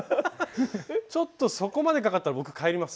ちょっとそこまでかかったら僕帰ります。